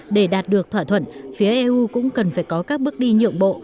để đạt được thỏa thuận phía eu cũng cần phải có các bước đi nhượng bộ